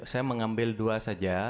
saya mengambil dua saja